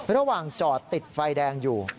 ระหว่างจอดติดไฟแดงอยู่